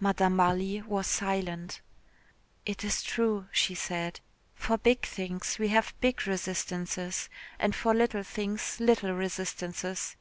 Madame Marly was silent. "It is true," she said, "for big things we have big resistances, and for little things little resistances.